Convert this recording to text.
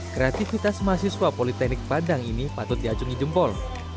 kreativitas mahasiswa politeknik badang ini patut diacungi jempol